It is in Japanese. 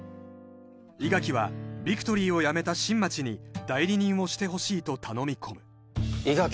伊垣はビクトリーを辞めた新町に代理人をしてほしいと頼み込む伊垣